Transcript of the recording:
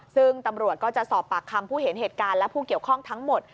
ซึ่งตำรวจก็จะสอบปากคำผู้เห็นเหตุการณ์และผู้เกี่ยวข้องทั้งหมด